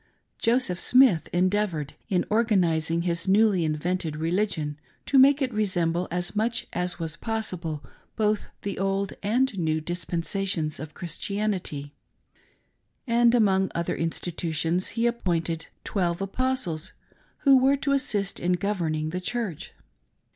Joseph Smith endeavored, in organising his newly invented religion, to make it resemble as much as was possible both the old and new dispensations of Christianity, and among other institutions he appointed "Twelve Apostles" who were to assist in governing the Church.